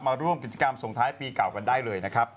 มาร่วมกิจกรรมส่งท้ายปีเก่ากันได้เลยนะครับ